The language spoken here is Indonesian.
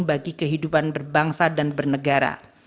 bagi kehidupan berbangsa dan bernegara